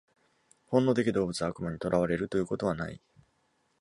本能的動物は悪魔に囚われるということはない。